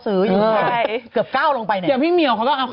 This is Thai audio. สวัสดีค่ะข้าวใส่ไข่สดใหม่เยอะสวัสดีค่ะ